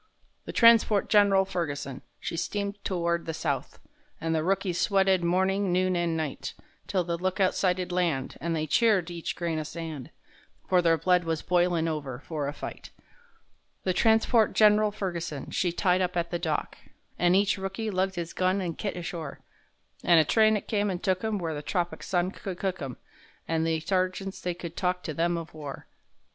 The transport Gen'ral Ferguson, she steamed to ward the south, And the rookies sweated morning, noon and night; 'Till the lookout sighted land, and they cheered each grain o' sand,— For their blood was boilin' over for a fight. The transport Gen'ral Ferguson, she tied up at the dock, An' each rookie lugged his gun an' kit ashore, An' a train it come and took 'em where the tropic sun could cook 'em,— An' the sergeants they could talk to them of war.